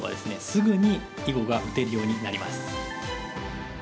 すぐに囲碁が打てるようになります。